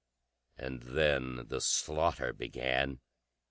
And then the slaughter began.